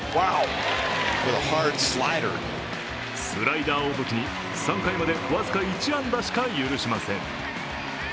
スライダーを武器に３回まで僅か１安打しか許しません。